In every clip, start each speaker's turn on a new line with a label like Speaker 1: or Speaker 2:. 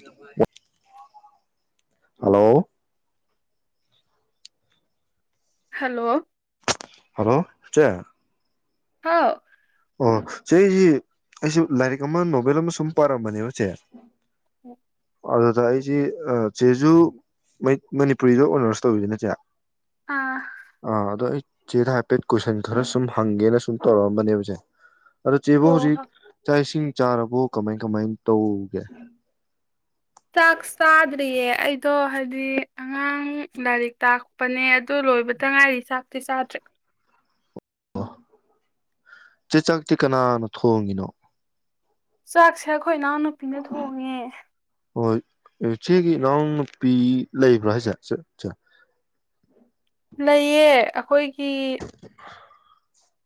Speaker 1: ꯂ [unintelligible] hello
Speaker 2: hello
Speaker 1: hello ꯆꯦ
Speaker 2: ꯍꯥꯎ
Speaker 1: ꯑꯣ ꯆꯦ ꯑꯩꯖꯤ ꯑꯩꯁꯨ ꯂꯥꯏꯔꯤꯛ ꯑꯃ ꯅꯣꯕꯦꯜ ꯑꯃ ꯁꯨꯝ ꯄꯥꯔꯝꯕꯅꯦꯕ ꯆꯦ
Speaker 2: ꯎ [unintelligible]
Speaker 1: ꯑꯗꯨꯗ ꯑꯩꯖꯤ ꯑꯥ ꯆꯦꯖꯨ ꯃꯩ ꯃꯅꯤꯄꯨꯔꯤꯗ ꯑꯣꯅꯔꯁ ꯇꯧꯋꯤꯗꯅ ꯆꯦ
Speaker 2: ꯑꯥ
Speaker 1: ꯑꯥ ꯑꯗꯣ ꯑꯩ ꯆꯦꯗ ꯍꯥꯏꯐꯦꯠ ꯀꯣꯏꯁꯟ ꯈꯔ ꯁꯨꯝ ꯍꯪꯒꯦꯅ ꯁꯨꯝ ꯇꯧꯔꯛꯑꯝꯕꯅꯦꯕ ꯆꯦ ꯑꯗꯨ ꯆꯦꯕꯨ ꯍꯧꯖꯤꯛ
Speaker 2: ꯑꯣ
Speaker 1: ꯆꯥꯛ ꯏꯁꯤꯡ ꯆꯥꯔꯕꯣ ꯀꯃꯥꯏ ꯀꯃꯥꯏ ꯇꯧꯒꯦ
Speaker 2: ꯆꯥꯛ ꯆꯥꯗ꯭ꯔꯤꯌꯦ ꯑꯩꯗꯣ ꯍꯥꯏꯗꯤ ꯑꯉꯥꯡ ꯂꯥꯏꯔꯤꯛ ꯇꯥꯛꯄꯅꯦ ꯑꯗꯨ ꯂꯣꯏꯕꯇ ꯉꯥꯏꯔꯤ ꯆꯥꯛꯇꯤ ꯆꯥꯗ꯭ꯔꯤ
Speaker 1: ꯆꯦ ꯆꯥꯛꯇꯤ ꯀꯅꯥꯅ ꯊꯣꯡꯉꯤꯅꯣ
Speaker 2: ꯆꯥꯛꯁꯦ ꯑꯩꯈꯣꯏ ꯏꯅꯥꯎ ꯅꯨꯄꯤꯅ ꯊꯣꯡꯉꯦ
Speaker 1: ꯍꯣꯏ ꯏ ꯆꯦꯒꯤ ꯏꯅꯥꯎ ꯅꯨꯄꯤ ꯂꯩꯕ꯭ꯔꯣ ꯍꯥꯏꯁ ꯆꯦ ꯆꯦ
Speaker 2: ꯂꯩꯔꯌꯦ ꯑꯩꯈꯣꯏ [unintelligible]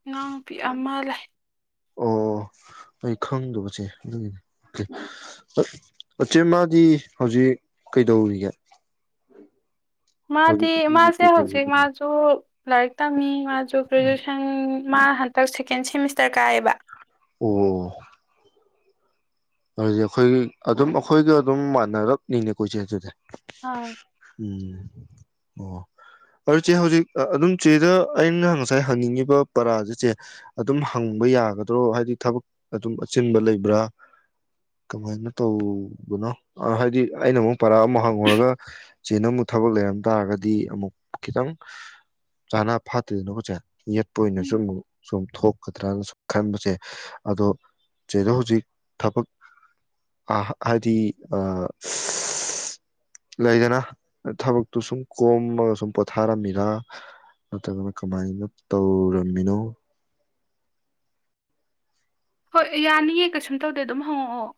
Speaker 2: ꯏꯅꯥꯎꯅꯨꯄꯤ ꯑꯃ ꯂꯩ
Speaker 1: ꯑꯣ ꯑꯩ ꯈꯪꯗꯕ ꯆꯦ ꯑꯗꯨꯒꯤꯅꯦ ꯑꯥ ꯆꯦ ꯃꯥꯗꯤ ꯍꯧꯖꯤꯛ ꯀꯩꯗꯧꯔꯤꯒꯦ
Speaker 2: ꯃꯥꯗꯤ
Speaker 1: ꯍꯧꯖꯤꯛꯀꯤ
Speaker 2: ꯃꯥꯁꯦ
Speaker 1: ꯀꯩꯀꯩ
Speaker 2: ꯍꯧꯖꯤꯛ ꯃꯥꯁꯨ ꯂꯥꯏꯔꯤꯛ ꯇꯝꯃꯤ ꯃꯥꯁꯨ ꯒ꯭ꯔꯦꯖꯨꯋꯦꯁꯟ ꯃꯥ ꯍꯟꯇꯛ ꯁꯦꯀꯦꯟ ꯁꯦꯃꯤꯁꯇꯔ ꯀꯥꯏꯑꯦꯕ
Speaker 1: ꯑꯣ ꯑꯗꯨꯗꯤ ꯑꯩꯈꯣꯏꯒꯤ ꯑꯗꯨꯝ ꯑꯩꯈꯣꯏꯒ ꯑꯗꯨꯝ ꯃꯥꯟꯅꯔꯞꯅꯤꯅꯦ ꯀꯣ ꯏꯆꯦ ꯑꯗꯨꯗꯤ
Speaker 2: ꯑꯥ
Speaker 1: ꯎꯝ ꯑꯣ ꯑꯗꯨ ꯆꯦ ꯍꯧꯖꯤꯛ ꯑꯗꯨꯝ ꯆꯦꯗ ꯑꯩꯅ ꯉꯁꯥꯏ ꯍꯪꯅꯤꯡꯉꯤꯕ ꯄꯔꯥꯥꯁ ꯆꯦ ꯑꯗꯨꯝ ꯍꯪꯕ ꯌꯥꯒꯗ꯭ꯔꯣ ꯍꯥꯏꯗꯤ ꯊꯕꯛ ꯑꯗꯨꯝ ꯑꯆꯤꯟꯕ ꯂꯩꯕ꯭ꯔꯥ ꯀꯃꯥꯏꯅ ꯇꯧꯕꯅꯣ ꯍꯥꯏꯗꯤ ꯑꯩꯅ ꯑꯃꯨꯛ ꯄꯔꯥ ꯑꯃ ꯍꯥꯡꯉꯨꯔꯒ ꯆꯦꯅꯥ ꯑꯃꯨꯛ ꯊꯕꯛ ꯂꯩꯔꯝ ꯇꯥꯔꯒꯗꯤ ꯑꯃꯨꯛ ꯈꯤꯇꯪ ꯆꯥꯅꯥ ꯐꯥꯠꯇꯦꯗꯅꯀꯣ ꯆꯦ ꯌꯦꯠꯄ ꯑꯣꯏꯅꯁꯨ
Speaker 2: ꯎꯝ
Speaker 1: ꯑꯃꯨꯛ ꯁꯨꯝ ꯊꯣꯛꯀꯗ꯭ꯔꯅ ꯁꯨꯝ ꯈꯟꯕ ꯆꯦ ꯑꯗꯣ ꯆꯦꯗꯣ ꯍꯧꯖꯤꯛ ꯊꯕꯛ ꯑꯥ ꯍꯥꯏꯗꯤ ꯂꯩꯗꯅ ꯊꯕꯛꯇꯨ ꯁꯨꯝ ꯀꯣꯝꯃꯒ ꯁꯨꯝ ꯄꯣꯊꯥꯔꯝꯃꯤꯔꯥ ꯅꯠꯇ꯭ꯔꯒꯅ ꯀꯃꯥꯏꯅ ꯇꯧꯔꯝꯃꯤꯅꯣ
Speaker 2: ꯍꯣꯏ ꯌꯥꯅꯤꯌꯦ ꯀꯩꯁꯨꯝ ꯇꯧꯗꯦ ꯑꯗꯨꯝ ꯍꯪꯉꯛꯑꯣ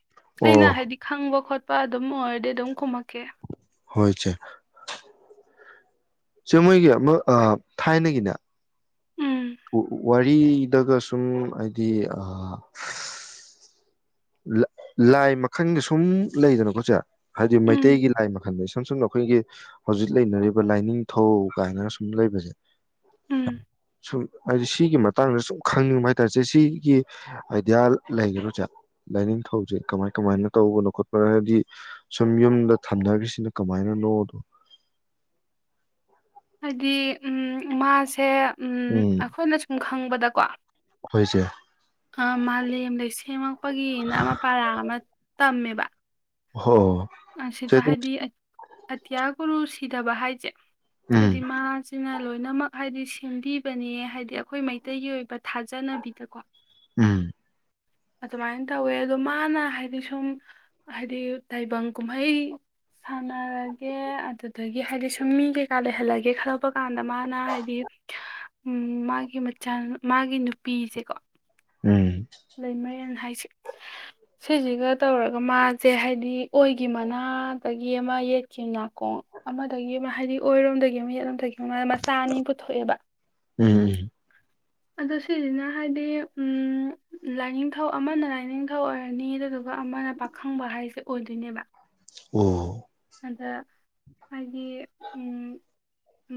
Speaker 2: ꯑꯩꯅ
Speaker 1: ꯑꯣ
Speaker 2: ꯍꯥꯏꯗꯤ ꯈꯪꯕ ꯈꯣꯠꯄ ꯄꯥꯗꯨꯞ ꯑꯗꯨꯝ ꯑꯣꯏꯔꯗꯤ ꯑꯗꯨꯝ ꯈꯨꯝꯃꯛꯀꯦ
Speaker 1: ꯍꯣ ꯍꯣꯏ ꯆꯦ ꯆꯦ ꯃꯣꯏꯒꯤ ꯑꯃ ꯑꯥ ꯊꯥꯏꯅꯒꯤꯅꯦ
Speaker 2: ꯎꯝ
Speaker 1: ꯗꯒ ꯁꯨꯝ ꯍꯥꯏꯗꯤ ꯑꯥ ꯂ ꯂꯥꯏ ꯃꯈꯟꯒ ꯁꯨꯝ ꯂꯩꯗꯅꯀꯣ ꯆꯦ ꯍꯥꯏꯗꯤ
Speaker 2: ꯎꯝ
Speaker 1: ꯃꯩꯇꯩꯒꯤ ꯂꯥꯏ ꯃꯈꯜꯗꯣ ꯁꯨꯝ ꯁꯨꯝ ꯑꯩꯈꯣꯏꯒꯤ ꯍꯧꯖꯤꯛ ꯂꯩꯅꯔꯤꯕ ꯂꯥꯏꯅꯤꯡꯊꯧ ꯀꯥꯏꯅ ꯁꯨꯝ ꯂꯩꯕꯁꯦ
Speaker 2: ꯎꯝ
Speaker 1: ꯁꯨꯝ ꯍꯥꯏꯗꯤ ꯁꯤꯒꯤ ꯃꯇꯥꯡꯗ ꯁꯨꯝ ꯈꯪꯅꯤꯡꯕ ꯍꯥꯏꯇꯥꯔꯦ ꯆꯦ ꯁꯤꯒꯤ ꯑꯥꯏꯗꯤꯌꯥ ꯂꯩꯒꯗ꯭ꯔꯣ ꯆꯦ ꯂꯥꯏꯅꯤꯡꯊꯧꯁꯦ ꯀꯃꯥꯏ ꯀꯃꯥꯏꯅ ꯇꯧꯕꯅꯣ ꯈꯣꯠꯄꯅꯣ ꯍꯥꯏꯕꯗꯤ ꯁꯨꯝ ꯌꯨꯝꯗ ꯊꯝꯅꯈ꯭ꯔꯤꯁꯤꯅ ꯀꯃꯥꯏꯅꯅꯣꯗꯣ
Speaker 2: ꯍꯥꯏꯗꯤ ꯎꯝ ꯃꯥꯁꯦ ꯎꯝ ꯑꯈꯣꯏꯅ ꯁꯨꯝ ꯈꯪꯕꯗꯀꯣ
Speaker 1: ꯍꯣꯏ ꯆꯦ
Speaker 2: ꯑꯥ ꯃꯥꯂꯦꯝ ꯂꯩꯁꯦꯝꯃꯛ ꯄꯒꯤꯅ ꯑꯃ ꯄꯔꯥ ꯑꯃ ꯇꯝꯃꯦꯕ
Speaker 1: ꯍꯣ
Speaker 2: ꯑ ꯥ
Speaker 1: ꯆꯦ
Speaker 2: ꯁꯤꯗ
Speaker 1: ꯑꯗꯨ
Speaker 2: ꯍꯥꯏꯗꯤ ꯑꯇ꯭ꯌꯥ ꯒꯨꯔꯨ ꯁꯤ ꯁꯤꯗꯕ ꯍꯥꯏꯁꯦ
Speaker 1: ꯎꯝ
Speaker 2: ꯍꯥꯏꯗꯤ ꯃꯥꯥꯁꯤꯅ ꯂꯣꯏꯅꯃꯛ ꯍꯥꯏꯗꯤ ꯁꯦꯝꯕꯤꯕꯅꯦ ꯍꯥꯏꯗꯤ ꯑꯩꯈꯣꯏ ꯃꯩꯇꯩꯒꯤ ꯑꯣꯏꯕ ꯊꯥꯖꯅꯕꯤꯗꯀꯣ
Speaker 1: ꯎꯝ
Speaker 2: ꯑꯗꯨꯃꯥꯏꯅ ꯇꯧꯋꯦ ꯑꯗꯣ ꯃꯥꯅ ꯍꯥꯏꯗꯤ ꯁꯨꯝ ꯍꯥꯏꯗꯤ ꯇꯥꯏꯕꯪ ꯀꯨꯝꯍꯩ ꯁꯥꯟꯅꯔꯒꯦ ꯑꯗꯨ ꯑꯗꯒꯤ ꯍꯥꯏꯗꯤ ꯁꯨꯝ ꯃꯤ ꯀꯩ ꯀꯥ ꯂꯩꯍꯜꯂꯒꯦ ꯈꯜꯂꯛꯄ ꯀꯥꯟꯗ ꯃꯥꯅ ꯍꯥꯏꯗꯤ ꯎꯝ ꯃꯥꯒꯤ ꯃꯆꯥ ꯃꯥꯒꯤ ꯅꯨꯄꯤꯁꯦꯀꯣ
Speaker 1: ꯎꯝ
Speaker 2: ꯂꯩꯃꯔꯦꯟ ꯍꯥꯏꯁꯦ ꯁꯤꯁꯤꯒ ꯇꯧꯔ ꯃꯥꯁꯦ ꯍꯥꯏꯗꯤ ꯑꯣꯏꯒꯤ ꯃꯅꯥꯗꯒꯤ ꯑꯃ ꯌꯦꯠꯀꯤ ꯅꯥꯀꯣꯡ ꯑꯃꯗꯒꯤ ꯑꯃ ꯍꯥꯏꯗꯤ ꯑꯣꯏꯔꯣꯝꯗꯒꯤ ꯑꯃ ꯌꯦꯠꯂꯣꯝꯗꯒꯤ ꯃꯆꯥ ꯑꯅꯤ ꯄꯨꯊꯣꯛꯑꯦꯕ
Speaker 1: ꯎꯝ
Speaker 2: ꯑꯗꯣ ꯁꯤꯁꯤꯅ ꯍꯥꯏꯗꯤ ꯎꯝ ꯂꯥꯏꯅꯤꯡꯊꯧ ꯑꯃꯅ ꯂꯥꯏꯅꯤꯡꯊꯧ ꯑꯣꯏꯔꯅꯤ ꯑꯗꯨꯗꯨꯒ ꯑꯃꯅ ꯄꯥꯈꯪꯕ ꯍꯥꯏꯁꯦ ꯑꯣꯏꯗꯣꯏꯅꯦꯕ
Speaker 1: ꯑꯣ
Speaker 2: ꯑꯗ ꯍꯥꯏꯗꯤ ꯎꯝ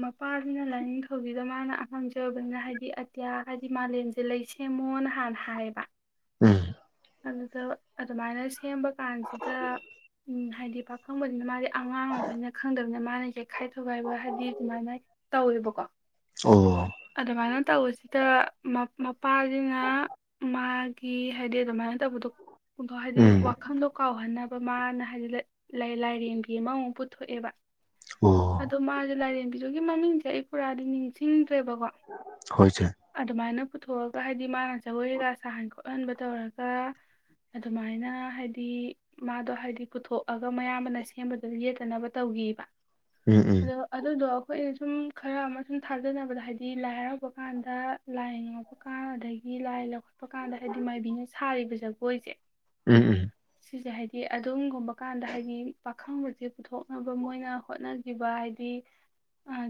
Speaker 2: ꯃꯄꯥꯁꯤꯅ ꯂꯣꯏꯅꯤꯡꯊꯧ ꯁꯤꯗ ꯃꯥꯅ ꯑꯍꯟꯁꯨ ꯑꯣꯏꯕꯅꯤꯅ ꯍꯥꯏꯗꯤ ꯏꯟꯗꯤꯌꯥ ꯍꯥꯏꯗꯤ ꯃꯥꯂꯦꯝꯁꯦ ꯂꯩ ꯁꯦꯝꯃꯣꯅ ꯍꯥꯟꯅ ꯍꯥꯏꯌꯦꯕ
Speaker 1: ꯎꯝ
Speaker 2: ꯑꯗꯨꯗ ꯑꯗꯨꯃꯥꯏꯅ ꯁꯦꯝꯕ ꯀꯥꯟꯁꯤꯗ ꯍꯥꯏꯗꯤ ꯄꯥꯈꯪꯕꯅꯤꯅ ꯃꯥꯗꯤ ꯑꯉꯥꯡ ꯑꯣꯏꯕꯅꯤꯅ ꯈꯪꯗꯕꯅꯤꯅ ꯃꯥꯅ ꯌꯩꯈꯥꯏ ꯊꯣꯒꯥꯏꯕ ꯍꯥꯏꯗꯤ ꯑꯗꯨꯃꯥꯏꯅ ꯇꯧꯋꯦꯕꯀꯣ
Speaker 1: ꯑꯣ
Speaker 2: ꯑꯗꯨꯃꯥꯏꯅ ꯇꯧꯕꯁꯤ ꯑ ꯗ ꯃꯄꯥꯁꯤꯅ ꯃꯥꯒꯤ ꯍꯥꯏꯗꯤ ꯑꯗꯨꯃꯥꯏꯅ ꯇꯧꯕꯗꯣꯊꯣꯛ ꯍꯥꯏꯗꯤ
Speaker 1: ꯎꯝ
Speaker 2: ꯋꯥꯈꯜꯗꯣ ꯀꯥꯎꯍꯟꯅꯕ ꯃꯥꯅ ꯍꯥꯏꯗꯤ ꯂꯥꯏꯔꯦꯝꯕꯤ ꯑꯃꯃꯨꯛ ꯄꯨꯊꯣꯛꯑꯦꯕ
Speaker 1: ꯑꯣ
Speaker 2: ꯑꯗꯣ ꯃꯥꯁꯦ ꯂꯥꯏꯔꯦꯝꯕꯤꯗꯨꯒꯤ ꯃꯃꯤꯡꯁꯦ ꯑꯩ ꯄꯨꯔꯥꯗꯤ ꯅꯤꯡꯁꯤꯡꯗ꯭ꯔꯦꯕꯀꯣ
Speaker 1: ꯍꯣꯏꯁꯦ
Speaker 2: ꯑꯗꯨꯃꯥꯏꯅ ꯄꯨꯊꯣꯛꯑꯒ ꯍꯥꯏꯗꯤ ꯃꯥꯅ ꯖꯒꯣꯏꯒ ꯁꯥꯍꯟ ꯈꯣꯠꯍꯟꯕ ꯇꯧꯔꯒ ꯑꯗꯨꯃꯥꯏꯅ ꯍꯥꯏꯗꯤ ꯃꯥꯗꯣ ꯍꯥꯏꯗꯤ ꯄꯨꯊꯣꯛꯑꯒ ꯃꯌꯥꯝꯕꯅ ꯁꯦꯝꯕꯗ ꯌꯦꯠꯇꯅꯕ ꯇꯧꯈꯤꯕ
Speaker 1: ꯎꯝ ꯎꯝ
Speaker 2: ꯑꯗꯣ ꯑꯗꯨꯗꯣ ꯑꯩꯈꯣꯏ ꯁꯨꯝ ꯈꯔ ꯑꯃ ꯁꯨꯝ ꯊꯥꯖꯅꯕꯗ ꯍꯥꯏꯗꯤ ꯂꯥꯏ ꯍꯔꯥꯎꯕ ꯀꯥꯟꯗ ꯂꯥꯏ ꯉꯥꯎꯄ ꯀꯥꯟ ꯑꯗꯒꯤ ꯂꯥꯏ ꯂꯧꯈꯠꯄ ꯀꯥꯟꯗ ꯍꯥꯏꯗꯤ ꯃꯥꯏꯕꯤꯅ ꯁꯥꯔꯤꯕ ꯖꯒꯣꯏꯁꯦ
Speaker 1: ꯎꯝ ꯎꯝ
Speaker 2: ꯁꯤꯁꯦ ꯍꯥꯏꯗꯤ ꯑꯗꯨꯝꯒꯨꯝꯕ ꯀꯥꯟꯗ ꯍꯥꯏꯗꯤ ꯄꯥꯈꯪꯕꯁꯦ ꯄꯨꯊꯣꯛꯅꯕ ꯃꯣꯏꯅ ꯍꯣꯠꯅꯈꯤꯕ ꯍꯥꯏꯗꯤ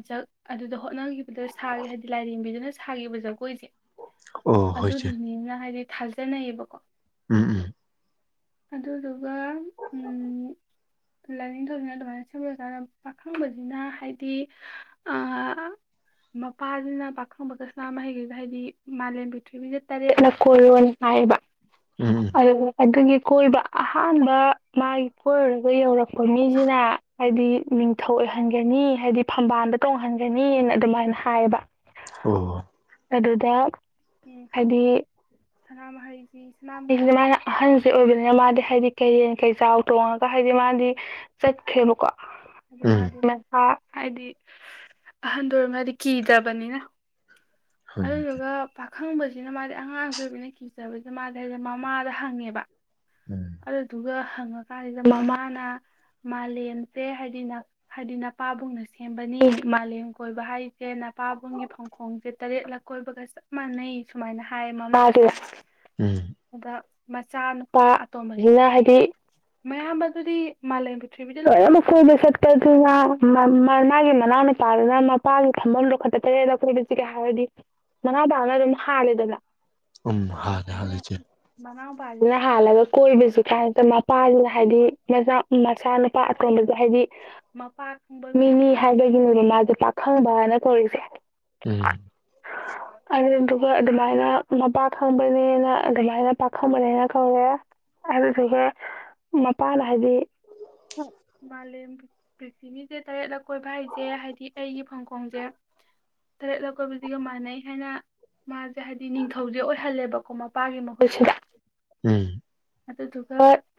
Speaker 2: ꯖ ꯑꯗꯨꯗ ꯍꯣꯠꯅꯈꯤꯕꯗ ꯁꯥꯒ ꯍꯥꯏꯗꯤ ꯂꯥꯏꯔꯦꯝꯕꯤꯗꯨꯅ ꯁꯥꯈꯤꯕ ꯖꯒꯣꯏꯖꯦ
Speaker 1: ꯑꯣ ꯍꯣꯏ ꯆꯦ
Speaker 2: ꯑꯗꯨꯗꯨꯅꯤꯅ ꯍꯥꯏꯗꯤ ꯊꯥꯖꯅꯩꯌꯦꯕꯀꯣ
Speaker 1: ꯎꯝ ꯎꯝ
Speaker 2: ꯑꯗꯨꯗꯨꯒ ꯂꯥꯏꯅꯤꯡꯊꯧꯁꯤꯅ ꯑꯗꯨꯃꯥꯏꯅ ꯁꯦꯝꯂꯖꯥꯅ ꯄꯥꯈꯪꯕꯁꯤꯅ ꯍꯥꯏꯗꯤ ꯃꯄꯥꯁꯤꯅ ꯄꯥꯈꯪꯕꯒ ꯁꯅꯃꯍꯤ ꯍꯥꯏꯗꯤ ꯃꯥꯂꯦꯝ ꯄ꯭ꯔꯤꯊꯤꯕꯤꯁꯦ ꯇꯔꯦꯠꯂꯛ ꯀꯣꯏꯌꯣ ꯍꯥꯏꯌꯦꯕ
Speaker 1: ꯎꯝ
Speaker 2: ꯑꯗꯨ ꯑꯗꯨꯒꯤ ꯀꯣꯏꯕ ꯑꯍꯥꯟꯕ ꯃꯥꯒꯤ ꯀꯣꯏꯔꯒ ꯌꯧꯔꯛꯄ ꯃꯤꯁꯤꯅ ꯍꯥꯏꯗꯤ ꯅꯤꯡꯊꯧ ꯑꯣꯏꯍꯟꯒꯅꯤ ꯍꯥꯏꯗꯤ ꯐꯝꯕꯥꯜꯗ ꯇꯣꯡꯍꯟꯒꯅꯤꯅ ꯑꯗꯨꯃꯥꯏꯅ ꯍꯥꯏꯌꯦꯕ
Speaker 1: ꯑꯣ
Speaker 2: ꯑꯗꯨꯗ ꯎ ꯍꯥꯏꯗꯤ ꯁꯅꯥꯃꯍꯤꯁꯤꯍꯤꯁꯤ ꯃꯥꯅ ꯑꯍꯟꯁꯦ ꯑꯣꯏꯕꯅꯤꯅ ꯃꯥꯗꯤ ꯍꯥꯏꯗꯤ ꯀꯩꯔꯦꯟ ꯀꯩꯆꯥꯎ ꯇꯣꯡꯉꯒ ꯍꯥꯏꯗꯤ ꯃꯥꯗꯤ ꯆꯠꯈ꯭ꯔꯦꯕꯀꯣ ꯍꯥꯏꯗꯤ
Speaker 1: ꯎꯝ
Speaker 2: ꯃꯥꯗꯤ ꯃꯥꯁ ꯍꯥꯏꯗꯤ ꯑꯍꯟꯗ ꯑꯣꯏꯔꯝꯅꯤꯅ ꯀꯤꯗ꯭ꯔꯕꯅꯤꯅ
Speaker 1: ꯍꯣꯏ
Speaker 2: ꯑꯗꯨꯗꯨꯒ ꯄꯥꯈꯪꯕꯁꯤꯅ ꯃꯥꯗꯤ ꯑꯉꯥꯡꯁꯨ ꯑꯣꯏꯕꯅ ꯀꯤꯖꯕꯁꯤꯅ ꯃꯥꯗꯤ ꯍꯥꯏꯗꯤ ꯃꯃꯥꯗ ꯍꯪꯉꯦꯕ
Speaker 1: ꯎꯝ
Speaker 2: ꯑꯗꯨꯗꯨꯒ ꯍꯪꯉꯀꯥꯟꯁꯤꯗ ꯃꯃꯥꯅ ꯃꯥꯂꯦꯝꯁꯦ ꯍꯥꯏꯗꯤ ꯍꯥꯏꯗꯤ ꯅꯄꯥꯕꯨꯡꯅ ꯁꯦꯝꯕꯅꯤ ꯃꯥꯂꯦꯝ ꯀꯣꯏꯕ ꯍꯥꯏꯁꯦ ꯅꯄꯥꯕꯨꯡꯒꯤ ꯐꯥꯡꯈꯣꯡꯁꯦ ꯇꯔꯦꯠꯂꯛ ꯀꯣꯏꯕꯒ ꯆꯞ ꯃꯥꯟꯅꯩ ꯁꯨꯃꯥꯏꯅ ꯍꯥꯏꯌꯦ ꯃꯃꯥꯥꯗꯨꯅ
Speaker 1: ꯎꯝ
Speaker 2: ꯑꯗ ꯃꯆꯥꯅꯨꯄꯥ ꯑꯇꯣꯝꯕꯁꯤꯅ ꯍꯥꯏꯗꯤ ꯃꯌꯥꯝꯕꯗꯨꯗꯤ ꯃꯥꯂꯦꯝ ꯄ꯭ꯊꯤꯔꯤꯕꯤꯗ ꯂꯣꯏꯅꯃꯛ ꯀꯣꯏꯕ ꯆꯠꯄꯗꯅ ꯃꯥ ꯃꯥꯒꯤ ꯃꯅꯥꯎ ꯅꯨꯨꯄꯥꯗꯨꯅ ꯃꯄꯥꯒꯤ ꯐꯝꯐꯝ ꯍꯦꯛꯇ ꯇꯔꯦꯂꯛ ꯀꯣꯏꯕꯕꯁꯤ ꯍꯥꯏꯕꯗꯤ ꯃꯅꯥꯎꯄꯥꯅ ꯑꯗꯨꯝ ꯍꯥꯂꯦꯗꯅ
Speaker 1: ꯎꯝ
Speaker 2: ꯑꯥ
Speaker 1: ꯍꯥꯜꯂꯦ
Speaker 2: ꯑꯗꯨꯃꯥꯏꯅ
Speaker 1: ꯍꯥꯜꯂꯦ ꯆꯦ
Speaker 2: ꯃꯅꯥꯎ ꯄ ꯑꯗꯨꯅ ꯍꯥꯜꯂꯒ ꯀꯣꯏꯕꯕꯁꯤ ꯀꯥꯟꯁꯤꯗ ꯃꯄꯥꯁꯤꯅ ꯍꯥꯏꯗꯤ ꯃꯆꯥ ꯃꯆꯥꯅꯨꯄꯥ ꯑꯇꯣꯟꯕꯁ ꯍꯥꯏꯗꯤ ꯃꯄꯥ ꯈꯪꯕ ꯃꯤꯅꯤ ꯍꯥꯏꯕꯒꯤꯅꯤ ꯃꯥꯁꯦ ꯄꯥꯈꯪꯕꯅ ꯀꯧꯔꯤꯁꯦ
Speaker 1: ꯎꯝ
Speaker 2: ꯑꯗꯨꯗꯨꯒ ꯑꯗꯨꯃꯥꯏꯅ ꯃꯄꯥ ꯈꯪꯕꯅꯦꯅ ꯑꯗꯨꯃꯥꯏꯅ ꯄꯥꯈꯪꯕꯅꯦꯅ ꯀꯧꯔꯦ ꯑꯗꯨꯢꯗꯨꯒꯤ ꯃꯄꯥꯅ ꯍꯥꯏꯗꯤ ꯃꯥꯂꯦꯝ ꯄ꯭ꯔꯤꯊꯤꯕꯤꯁꯦ ꯇꯔꯦꯠꯂ ꯀꯣꯏꯕ ꯍꯥꯏꯁꯦ ꯍꯥꯏꯗꯤ ꯑꯩꯒꯤ ꯐꯪꯈꯣꯡꯁꯦ ꯇꯔꯦꯠꯂꯛ ꯀꯣꯏꯕꯖꯤꯒ ꯃꯥꯟꯅꯩ ꯍꯥꯏꯅ ꯃꯥꯁꯦ ꯍꯥꯏꯗꯤ ꯅꯤꯡꯊꯧꯁꯦ ꯑꯣꯏꯍꯜꯂꯦꯕꯀꯣ ꯃꯄꯥꯒꯤ ꯃꯍꯨꯠꯁꯤꯗ
Speaker 1: ꯎꯝ
Speaker 2: ꯑꯗꯨꯗꯨꯒ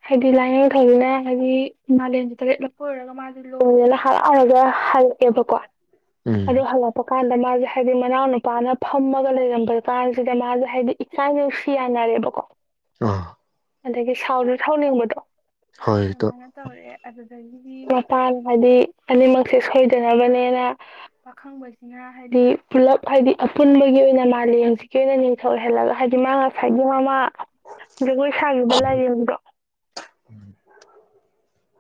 Speaker 2: ꯍꯥꯏꯗꯤ ꯂꯥꯏꯅꯤꯡꯡꯊꯧꯅ ꯍꯥꯏꯗꯤ ꯃꯥꯂꯦꯝꯁꯦ ꯇꯔꯦꯠ ꯂꯛ ꯀꯣꯏꯔꯨꯔꯒ ꯃꯥꯁꯦ ꯂꯣꯏꯔ ꯍꯔꯥꯎꯔꯒ ꯍꯜꯂꯛ ꯑꯦ ꯍꯜꯂꯛꯑꯦꯕꯀꯣ
Speaker 1: ꯎꯝ
Speaker 2: ꯑꯗꯨ ꯍꯜꯂꯛꯄ ꯀꯥꯟꯗꯅꯤ ꯃꯥꯁꯦ ꯍꯥꯏꯗꯤ ꯃꯅꯥꯎ ꯅꯨꯄꯥꯅ ꯐꯝꯃꯒ ꯂꯩꯔꯝꯕ ꯀꯥꯟꯁꯤꯗ ꯃꯥꯁꯦ ꯍꯥꯏꯗꯤ ꯏꯀꯥꯏ ꯅꯨꯡꯁꯤ ꯌꯥꯅꯔꯦꯕꯀꯣ
Speaker 1: ꯑꯥ
Speaker 2: ꯑꯗꯒꯤ ꯁꯥꯎꯗꯨ ꯊꯥꯎꯅꯤꯡꯕꯗꯣ
Speaker 1: ꯍꯣꯏ ꯇ
Speaker 2: ꯑꯗꯨꯃꯥꯏ ꯇꯧꯔꯦ ꯑꯗꯨꯗꯒꯤ ꯃꯤ ꯃꯄꯥꯟ ꯍꯥꯏꯗꯤ ꯑꯅꯤꯃꯛꯁꯦ ꯁꯣꯏꯗꯅꯕꯅꯦꯅ ꯄꯥꯈꯪꯕꯁꯤꯅ ꯍꯥꯏꯗꯤ ꯄꯨꯜꯂꯞ ꯍꯥꯏꯗꯤ ꯑꯄꯨꯟꯕꯒꯤ ꯑꯣꯏꯅ ꯃꯥꯂꯦꯝꯁꯤꯒꯤ ꯑꯣꯏꯅ ꯅꯤꯡꯊꯧ ꯑꯣꯏꯍꯜꯂꯒ ꯍꯥꯏꯗꯤ ꯃꯥ ꯉꯁꯥꯏꯒꯤ ꯃꯃꯥ ꯖꯒꯣꯏ ꯁꯥꯈꯤꯕ ꯂꯥꯏꯔꯦꯝꯕꯤꯗꯣ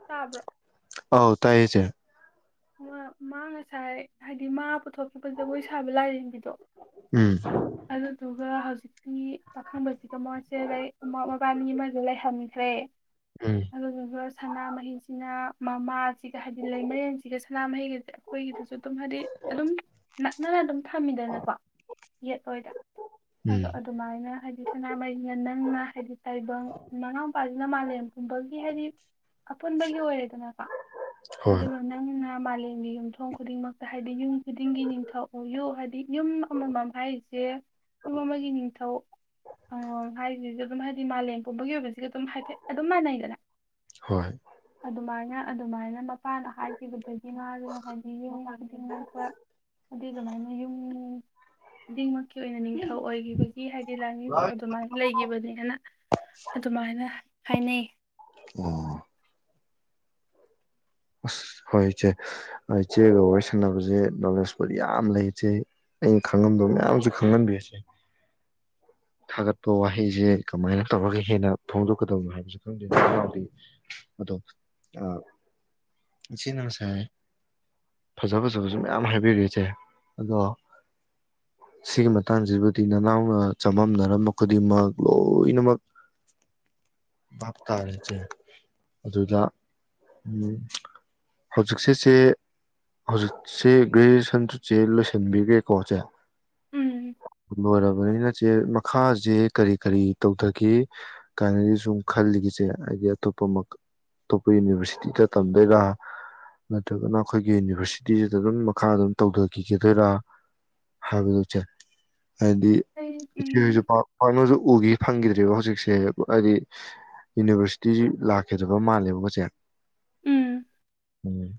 Speaker 2: ꯇꯥꯕ꯭ꯔꯣ
Speaker 1: ꯑꯥꯎ ꯇꯥꯏꯌꯦ ꯆꯦ
Speaker 2: ꯃꯥ ꯉꯁꯥꯏ ꯍꯥꯏꯗꯤ ꯃꯥ ꯄꯨꯊꯣꯛꯈꯤꯕ ꯖꯒꯣꯏ ꯁꯥꯕ ꯂꯥꯏꯔꯦꯝꯕꯤꯗꯣ
Speaker 1: ꯎꯝ
Speaker 2: ꯑꯗꯨꯒ ꯍꯧꯖꯤꯛꯇꯤ ꯄꯥꯈꯪꯕꯁꯤꯒ ꯃꯣꯏꯁꯦ ꯎꯃꯥ ꯃꯕꯥꯅꯤ ꯑꯃꯗ ꯂꯩꯍꯟꯈ꯭ꯔꯦ
Speaker 1: ꯎꯝ
Speaker 2: ꯑꯗꯨꯗꯨꯒ ꯁꯅꯥꯃꯍꯤꯁꯤꯅ ꯃꯃꯥꯁꯤꯒ ꯍꯥꯏꯗꯤ ꯂꯩꯃꯔꯦꯟꯖꯤ ꯁꯤꯒ ꯁꯅꯥꯃꯍꯤꯒꯤꯗꯤ ꯑꯩꯈꯣꯏꯒꯤꯗꯨꯁꯨ ꯑꯗꯨꯝ ꯍꯥꯏꯗꯤ ꯑꯗꯨꯝ ꯅꯛꯅꯅ ꯑꯗꯨꯝ ꯊꯝꯃꯤꯗꯅꯀꯣ ꯌꯦꯠ ꯑꯣꯏꯗ
Speaker 1: ꯎꯝ
Speaker 2: ꯑꯗꯣ ꯑꯗꯨꯃꯥꯏꯅ ꯍꯥꯏꯗꯤ ꯁꯅꯥꯃꯍꯤꯅ ꯅꯪꯅ ꯍꯥꯏꯗꯤ ꯇꯥꯏꯕꯪ ꯃꯅꯥꯎ ꯃꯄꯥꯁꯤꯅ ꯃꯥꯂꯦꯝꯒꯨꯝꯕꯒꯤ ꯍꯥꯏꯗꯤ ꯑꯄꯨꯟꯕꯒꯤ ꯑꯣꯏꯔꯦꯗꯅꯀꯣ ꯑꯗꯨ
Speaker 1: ꯍꯣꯏ
Speaker 2: ꯅꯪꯅ ꯃꯥꯂꯦꯝꯒꯤ ꯌꯨꯝꯊꯣꯡ ꯈꯨꯗꯤꯡꯃꯛꯇ ꯍꯥꯏꯗꯤ ꯌꯨꯝ ꯈꯨꯗꯤꯡꯒꯤ ꯅꯤꯡꯊꯧ ꯑꯣꯏꯌꯨ ꯍꯥꯏꯗꯤ ꯌꯨꯝ ꯑꯃꯃꯝ ꯍꯥꯏꯔꯤꯁꯦ ꯌꯨꯝ ꯑꯃꯒꯤ ꯅꯤꯡꯊꯧ ꯍꯥꯏꯁꯤꯁꯨ ꯑꯗꯨꯝ ꯍꯥꯏꯗꯤ ꯃꯥꯂꯦꯝ ꯄꯨꯝꯕꯒꯤ ꯑꯣꯏꯕꯁꯤꯒ ꯑꯗꯨꯝ ꯍꯥꯏꯐꯦꯠ ꯑꯗꯨꯝ ꯃꯥꯟꯅꯩꯗꯅ
Speaker 1: ꯍꯣꯏ
Speaker 2: ꯑꯗꯨꯃꯥꯏꯅ ꯑꯗꯨꯃꯥꯏꯅ ꯃꯄꯥꯟꯗ ꯍꯥꯏ ꯈꯤꯕꯗꯒꯤ ꯃꯥꯗꯨꯅ ꯍꯥꯏꯗꯤ ꯌꯨꯝ ꯈꯨꯗꯤꯡ ꯉꯥꯛꯄ ꯍꯥꯏꯗꯤ ꯑꯗꯨꯃꯥꯏꯅ ꯌꯨꯝ ꯈꯨꯗꯤꯡꯃꯛꯀꯤ ꯑꯣꯏꯅ ꯅꯤꯡꯊꯧ ꯑꯣꯏꯒꯤꯕꯒꯤ ꯍꯥꯏꯗꯤ ꯂꯥꯏꯅꯤꯡꯊꯧ ꯑꯗꯨꯃꯥꯏꯅ ꯂꯩꯒꯤꯕꯅꯦꯅ ꯑꯗꯨꯃꯥꯏꯅ ꯍꯥꯏꯅꯩ
Speaker 1: ꯑꯣ ꯑꯁ ꯍꯣꯏ ꯏꯆꯦ ꯏꯆꯦꯒ ꯋꯥꯔꯤ ꯁꯥꯟꯅꯕꯁꯦ ꯅꯣꯂꯦꯖꯄꯨꯗꯤ ꯌꯥꯝ ꯂꯩ ꯏꯆꯦ ꯑꯩꯅ ꯈꯪꯉꯝꯗꯕ ꯃꯌꯥꯝꯁꯨ ꯈꯪꯍꯟꯕꯤ ꯏꯆꯦ ꯊꯥꯒꯠꯄ ꯋꯥꯍꯩꯁꯦ ꯀꯃꯥꯏꯅ ꯇꯧꯔꯒ ꯍꯦꯟꯅ ꯐꯣꯡꯗꯣꯛꯀꯗꯕꯅꯣ ꯍꯥꯏꯕꯁꯨ ꯈꯪꯗꯦ ꯅꯅꯥꯎꯗꯤ ꯑꯗꯣ ꯏꯆꯦꯅ ꯉꯁꯥꯏ ꯐꯖ ꯐꯖꯕꯁꯨ ꯃꯌꯥꯝ ꯍꯥꯏꯕꯤꯔꯦ ꯏꯆꯦ ꯑꯗꯣ ꯁꯤꯒꯤ ꯃꯇꯥꯡꯁꯤꯕꯨꯗꯤ ꯅꯅꯥꯎꯅ ꯆꯃꯝꯅꯔꯝꯕ ꯈꯨꯗꯤꯡꯃꯛ ꯂꯣꯏꯅꯃꯛ ꯚꯥꯞ ꯇꯥꯔꯦ ꯆꯦ ꯑꯗꯨꯗ ꯎꯝ ꯍꯧꯖꯤꯛꯁꯤꯁꯦ ꯆꯦ ꯍꯧꯖꯤꯛꯁꯦ ꯒ꯭ꯔꯦꯖꯨꯑꯦꯁꯟꯆꯦ ꯂꯣꯏꯁꯤꯟꯕꯤꯈ꯭ꯔꯦꯀꯣ ꯆꯦ
Speaker 2: ꯎꯝ
Speaker 1: ꯂꯣꯏꯔꯕꯅꯤꯅ ꯆꯦ ꯃꯈꯥꯁꯦ ꯀꯔꯤ ꯀꯔꯤ ꯇꯧꯊꯒꯦ ꯀꯥꯏꯅꯗꯤ ꯁꯨꯝ ꯈꯜꯂꯤꯒꯦ ꯆꯦ ꯍꯥꯏꯗꯤ ꯑꯇꯣꯞꯄ ꯑꯇꯣꯞꯄ ꯌꯨꯅꯤꯚꯔꯁꯤꯇꯤꯗ ꯇꯝꯗꯣꯏꯔꯥ ꯅꯠꯇ꯭ꯔꯒꯅ ꯑꯩꯈꯣꯏꯒꯤ ꯌꯨꯅꯤꯚꯔꯁꯤꯇꯤꯁꯤꯗ ꯑꯗꯨꯝ ꯃꯈꯥ ꯑꯗꯨꯝ ꯇꯧꯊꯈꯤꯒꯗꯣꯏꯔꯥ ꯍꯥꯏꯕꯗꯣ ꯆꯦ ꯍꯥꯏꯗꯤ ꯏꯆꯦꯍꯣꯏꯁꯨ
Speaker 2: ꯎꯝ
Speaker 1: ꯄꯥꯛ ꯄꯥꯛꯅꯁꯨ ꯎꯒꯦ ꯐꯪꯒꯤꯗ꯭ꯔꯦꯕ ꯍꯧꯖꯤꯛꯁꯦ ꯍꯥꯏꯗꯤ ꯌꯨꯅꯤꯚꯔꯁꯤꯇꯤ ꯂꯥꯛꯈꯤꯗꯕ ꯃꯥꯜꯂꯦꯕꯀꯣ ꯆꯦ
Speaker 2: ꯎꯝ
Speaker 1: ꯎꯝ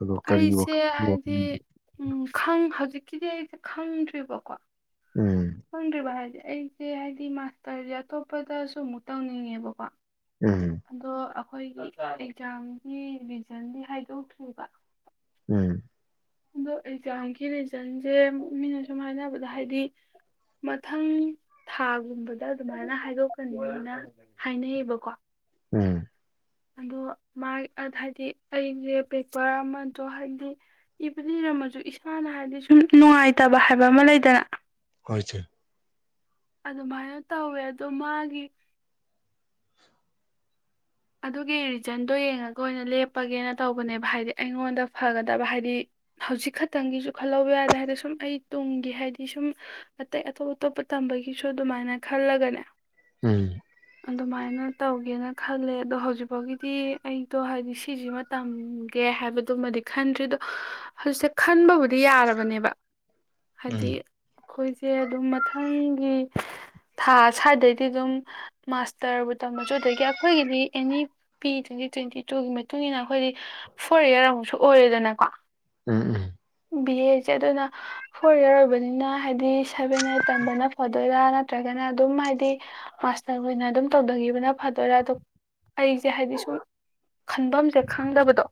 Speaker 1: ꯑꯗꯣ ꯀꯔꯤ
Speaker 2: ꯑꯩꯁꯦ
Speaker 1: ꯋꯥꯈꯜ
Speaker 2: ꯍꯥꯏꯗꯤ
Speaker 1: ꯎꯝ
Speaker 2: ꯎꯝ ꯈꯪ ꯍꯧꯖꯤꯛ ꯀꯤꯗꯤ ꯑꯩꯁꯦ ꯈꯪꯗ꯭ꯔꯤꯕꯀꯣ
Speaker 1: ꯎꯝ
Speaker 2: ꯈꯪꯗ꯭ꯔꯤꯕ ꯍꯥꯏꯗꯤ ꯑꯩꯁꯦ ꯍꯥꯏꯗꯤ ꯃꯥꯁꯇꯔꯁꯦ ꯑꯇꯣꯞꯄꯗꯁꯨ ꯑꯃꯨꯛ ꯇꯧꯅꯤꯡꯉꯦꯕꯀꯣ ꯑꯗꯣ ꯑꯩꯈꯣꯏꯒꯤ ꯑꯦꯛꯖꯥꯝꯒꯤ ꯔꯤꯖꯟꯗꯤ ꯍꯥꯏꯗꯣꯛꯇ꯭ꯔꯤꯕ
Speaker 1: ꯎꯝ
Speaker 2: ꯑꯗꯣ ꯑꯦꯛꯖꯥꯝꯒꯤ ꯔꯤꯖꯟꯁꯦ ꯃꯤꯅ ꯁꯨꯝ ꯍꯥꯏꯅꯕꯗ ꯍꯥꯏꯗꯤ ꯃꯊꯪ ꯊꯥꯒꯨꯝꯕꯗ ꯑꯗꯨꯃꯥꯏꯅ ꯍꯥꯏꯗꯣꯛꯀꯅꯤ ꯑꯅ ꯍꯥꯏꯅꯩꯌꯦꯕꯀꯣ
Speaker 1: ꯎꯝ
Speaker 2: ꯑꯗꯣ ꯃꯥ ꯍꯥꯏꯗꯤ ꯑꯩꯁꯦ ꯄꯦꯄꯔ ꯑꯃꯗꯣ ꯍꯥꯏꯗꯤ ꯏꯕꯨꯗꯤ ꯏꯔꯝꯃꯁꯨ ꯏꯁꯥꯅ ꯍꯥꯏꯗꯤ ꯁꯨꯝ ꯅꯨꯡꯉꯥꯏꯇꯕ ꯍꯥꯏꯕ ꯑꯃ ꯂꯩꯗꯅ
Speaker 1: ꯍꯣꯏ ꯆꯦ
Speaker 2: ꯑꯗꯨꯃꯥꯏꯅ ꯇꯧꯋꯦ ꯑꯗꯣ ꯃꯥꯒꯤ ꯑꯗꯨꯒꯤ ꯔꯤꯖꯟꯗꯣ ꯌꯦꯡꯉꯒ ꯑꯣꯏꯅ ꯂꯦꯞꯄꯒꯦꯅ ꯇꯧꯕꯅꯦꯕ ꯍꯥꯏꯗꯤ ꯑꯩꯉꯣꯟꯗ ꯐꯒꯗꯕ ꯍꯥꯏꯗꯤ ꯍꯧꯖꯤꯛ ꯈꯛꯇꯪꯒꯤꯁꯨ ꯈꯜꯍꯧꯕ ꯌꯥꯗꯦ ꯍꯥꯏꯗꯤ ꯁꯨꯝ ꯑꯩ ꯇꯨꯡꯒꯤ ꯍꯥꯏꯗꯤ ꯁꯨꯝ ꯑꯇꯩ ꯑꯇꯣꯞ ꯑꯇꯣꯞꯄ ꯇꯝꯕꯒꯤꯁꯨ ꯑꯗꯨꯃꯥꯏꯅ ꯈꯜꯂꯒꯅꯦ
Speaker 1: ꯎꯝ
Speaker 2: ꯑꯗꯨꯃꯥꯏꯅ ꯇꯧꯒꯦꯅ ꯈꯜꯂꯦ ꯑꯗꯣ ꯍꯧꯖꯤꯛ ꯐꯥꯎꯒꯤꯗꯤ ꯑꯩꯗꯣ ꯍꯥꯏꯗꯤ ꯁꯤꯖꯤꯃ ꯇꯝꯒꯦ ꯍꯥꯏꯕꯗꯨꯃꯗꯤ ꯈꯟꯗ꯭ꯔꯤ ꯑꯗꯣ ꯍꯧꯖꯤꯛ ꯈꯟꯕꯕꯨꯗꯤ ꯌꯥꯔꯕꯅꯦꯕ
Speaker 1: ꯎꯝ
Speaker 2: ꯍꯥꯏꯗꯤ ꯑꯩꯈꯣꯏꯁꯦ ꯑꯗꯨꯝ ꯃꯊꯪꯒꯤ ꯊꯥ ꯁ꯭ꯋꯥꯏꯗꯩꯗꯤ ꯑꯗꯨꯝ ꯃꯥꯁꯇꯔꯕꯨ ꯇꯝꯃꯁꯨ ꯑꯗꯒꯤ ꯑꯩꯈꯣꯏꯒꯤꯗꯤ ꯑꯦꯅꯤ ꯄꯤ ꯇ꯭ꯋꯦꯟꯇꯤ ꯇ꯭ꯋꯦꯟꯇꯤ ꯇꯨꯒꯤ ꯃꯇꯨꯡ ꯃꯇꯨꯡꯏꯟꯅ ꯑꯩꯈꯣꯏꯗꯤ ꯐꯣꯔ ꯏꯌꯥꯔ ꯑꯃꯨꯛꯁꯨ ꯑꯣꯏꯔꯦꯗꯅꯀꯣ
Speaker 1: ꯎꯝ ꯎꯝ
Speaker 2: ꯕꯤ ꯑꯦꯁꯦ ꯑꯗꯨꯅ ꯐꯣꯔ ꯏꯌꯥꯔ ꯑꯣꯏꯕꯅꯤꯅ ꯍꯥꯏꯗꯤ ꯁꯚꯦꯟ ꯑꯥꯏꯠ ꯇꯝꯕꯅ ꯐꯗꯣꯏꯔꯥ ꯅꯠꯇ꯭ꯔꯒꯅ ꯑꯗꯨꯝ ꯍꯥꯏꯗꯤ ꯃꯥꯁꯇꯔ ꯑꯣꯏꯅ ꯑꯗꯨꯝ ꯇꯧꯗꯒꯤꯕꯅ ꯐꯗꯣꯏꯔꯥ ꯑꯗꯨ ꯑꯩꯁꯦ ꯍꯥꯏꯗꯤ ꯁꯨꯝ ꯈꯟꯐꯝꯁꯦ ꯈꯪꯗꯕꯗꯣ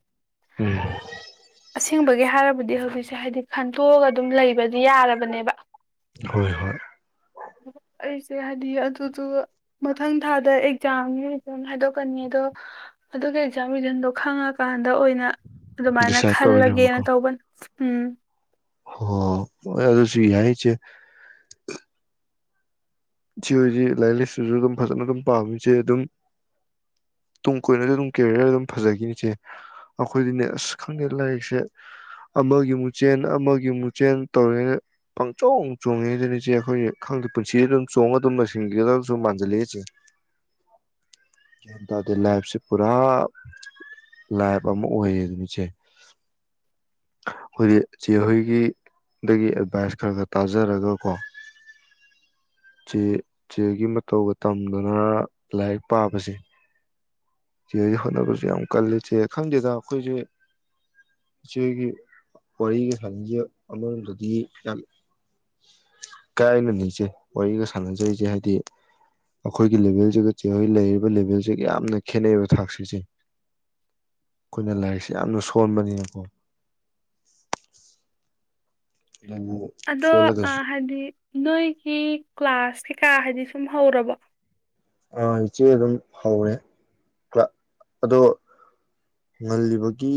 Speaker 1: ꯎꯝ
Speaker 2: ꯑꯁꯦꯡꯕꯒꯤ ꯍꯥꯏꯔꯕꯗꯤ ꯍꯧꯖꯤꯛꯁꯦ ꯍꯥꯏꯗꯤ ꯈꯟꯇꯣꯛꯑꯒ ꯑꯗꯨꯝ ꯂꯩꯕꯗꯤ ꯌꯥꯔꯕꯅꯦꯕ
Speaker 1: ꯍꯣꯏ ꯍꯣꯏ
Speaker 2: ꯑꯩꯁꯦ ꯍꯥꯏꯗꯤ ꯑꯗꯨꯗꯣ ꯃꯊꯪ ꯊꯥꯗ ꯑꯦꯛꯖꯥꯝꯒꯤ ꯔꯤꯖꯝ ꯍꯥꯏꯗꯣꯛ ꯊꯣꯛꯀꯅꯤ ꯑꯗꯣ ꯑꯗꯨꯒꯤ ꯑꯦꯛꯖꯥꯝ ꯔꯤꯖꯟꯗꯣ ꯈꯪꯉꯀꯥꯟꯗ ꯑꯣꯏꯅ ꯑꯗꯨꯃꯥꯏꯅ
Speaker 1: ꯗꯤꯁꯥꯏꯠ
Speaker 2: ꯈꯜꯂꯒꯦꯅ ꯇꯧꯕꯅꯦ ꯎꯝ
Speaker 1: ꯍꯣ ꯑꯣ ꯑꯗꯨꯁꯨ ꯌꯥꯏ ꯏꯆꯦ ꯆꯦ ꯍꯣꯏꯗꯤ ꯂꯥꯏꯔꯤꯛ ꯂꯥꯏꯁꯨꯁꯨ ꯑꯗꯨꯝ ꯐꯖꯅ ꯑꯗꯨꯝ ꯄꯥꯕꯅꯤ ꯏꯆꯦ ꯑꯗꯨꯝ ꯇꯨꯡ ꯀꯣꯏꯅꯁꯨ ꯑꯗꯨꯝ ꯀꯦꯔꯤꯌꯔ ꯑꯗꯨꯝ ꯐꯖꯈꯤꯅꯤꯆꯦ ꯑꯩꯈꯣꯏꯗꯤꯅꯦ ꯑꯁ ꯈꯪꯗꯦ ꯂꯥꯏꯔꯤꯛꯁꯦ ꯑꯃꯒꯤ ꯃꯨꯛꯆꯦꯟ ꯑꯃꯒꯤ ꯃꯨꯛꯆꯦꯟ ꯇꯧꯔꯤꯉꯩꯗ ꯄꯪꯆꯣꯡ ꯆꯣꯡꯉꯤꯁꯤꯅꯤ ꯏꯆꯦ ꯑꯩꯈꯣꯏ ꯈꯪꯗꯦ ꯄꯨꯟꯁꯤꯗꯤ ꯑꯗꯨꯝ ꯆꯣꯡꯉ ꯑꯗꯨꯝꯂꯣꯏꯁꯤꯟꯒꯗꯧꯁꯨ ꯃꯥꯟꯁꯤꯜꯂꯛꯏ ꯏꯆꯦ ꯒꯌꯥꯟ ꯇꯥꯗꯦ ꯂꯥꯏꯞꯁꯦ ꯄꯨꯔꯥ ꯂꯥꯏꯞ ꯑꯃ ꯑꯣꯏꯌꯦ ꯑꯗꯨꯅꯤ ꯆꯦ ꯑꯈꯣꯏꯗꯤ ꯆꯦꯍꯣꯏꯒꯤ ꯗꯒꯤ ꯑꯦꯗꯚꯥꯏꯁ ꯈꯔ ꯈꯔ ꯇꯥꯖꯔꯒꯀꯣ ꯆꯦ ꯆꯦꯒꯤ ꯃꯇꯧꯒ ꯇꯝꯗꯅ ꯂꯥꯏꯔꯤꯛ ꯄꯥꯕꯁꯦ ꯆꯦꯍꯣꯏꯗꯤ ꯍꯣꯠꯅꯕꯁꯨ ꯌꯥꯝ ꯀꯜꯂꯤ ꯆꯦ ꯈꯪꯗꯦꯗ ꯑꯩꯈꯣꯏꯁꯦ ꯏꯆꯦꯍꯣꯏꯒꯤ ꯋꯥꯔꯤꯒ ꯁꯥꯟꯅꯖꯦ ꯑꯃꯔꯣꯝꯗꯗꯤ ꯌꯥꯝ ꯏꯀꯥꯏꯅ ꯅꯤꯏꯆꯦ ꯋꯥꯔꯤꯒ ꯁꯥꯟꯅꯖꯔꯤꯁꯦ ꯍꯥꯏꯗꯤ ꯑꯩꯈꯣꯏꯒꯤ ꯂꯦꯚꯦꯜꯁꯤꯒ ꯆꯦꯍꯣꯏ ꯂꯩꯔꯤꯕ ꯂꯦꯚꯦꯜꯁꯤꯒ ꯌꯥꯝꯅ ꯈꯦꯠꯅꯩꯔꯤꯕ ꯊꯥꯛꯁꯤ ꯆꯦ ꯑꯩꯈꯣꯏꯅ ꯂꯥꯏꯔꯤꯛꯁꯦ ꯌꯥꯝꯅ ꯁꯣꯟꯕꯅꯤꯅꯀꯣ ꯑꯗꯨꯕꯨ
Speaker 2: ꯑꯗꯣ ꯑ
Speaker 1: ꯁꯣꯜꯂꯒꯁꯨ
Speaker 2: ꯍꯥꯏꯗꯤ ꯅꯣꯏꯒꯤ ꯀ꯭ꯂꯥꯁ ꯀꯥ ꯍꯥꯏꯗꯤ ꯁꯨꯝ ꯍꯧꯔꯕ
Speaker 1: ꯑ ꯏꯆꯦ ꯑꯗꯨꯝ ꯍꯧꯔꯦ ꯀ꯭ꯂ ꯑꯗꯣ ꯉꯜꯂꯤꯕꯒꯤ